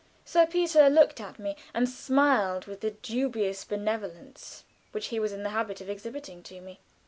Sir Peter looked at me and smiled with the dubious benevolence which he was in the habit of extending to me.